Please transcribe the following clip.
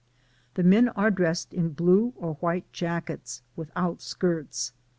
The men are dressed in blue or white jackets, without skirts.